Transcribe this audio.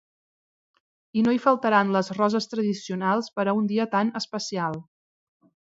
I no hi faltaran les roses tradicionals per a un dia tan especial.